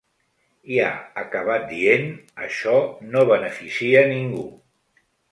I ha acabat dient: Això no beneficia ningú.